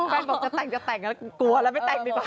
แผ้นก็บอกจะแต่งจะแต่งเรากลัวแล้วไม่แต่งหรือเปล่า